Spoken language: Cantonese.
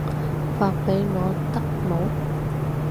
發畀我得冇